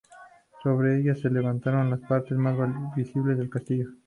Sobre ella se levantan las partes más visibles del castillo.